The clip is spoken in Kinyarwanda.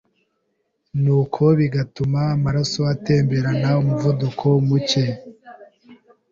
nuko bigatuma amaraso atemberana umuvuduko mucye,